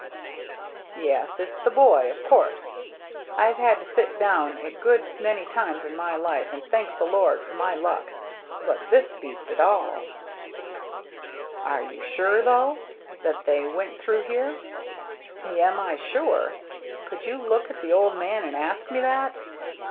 " Yes, it's the boy, of course. I've had to sit down a good many times in my life and thank the Lord for my luck, but this beats it all." THE GINGHAM DRESS 275 "Arc you sure, though, that they went through here ?"" Am I sure ? Could you look at the old man and ask me that